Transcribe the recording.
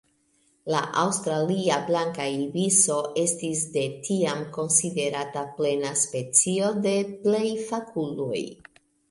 La Aŭstralia blanka ibiso estis de tiam konsiderata plena specio de plej fakuloj.